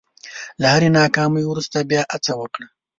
له هرې ناکامۍ وروسته بیا هڅه وکړئ.